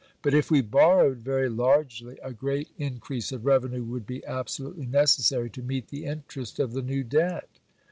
But if we borrowed very largely, a great increase of revenue would be absolutely necessary to meet the interest of the new debt.